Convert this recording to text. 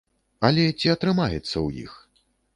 Але ці атрымаецца ў іх?